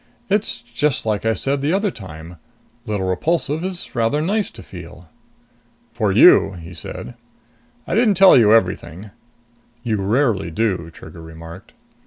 It's just like I said the other time little Repulsive is rather nice to feel." "For you," he said. "I didn't tell you everything." "You rarely do," Trigger remarked.